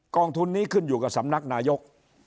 องทุนนี้ขึ้นอยู่กับสำนักนายก